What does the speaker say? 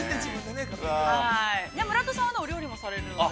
◆村田さんはお料理もされるので。